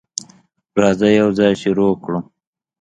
راځه، یوځای شروع کړو.